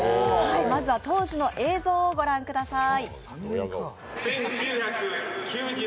まずは当時の映像をご覧ください。